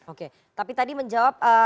oke tapi tadi menjawab